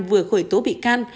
vừa khởi tố bị can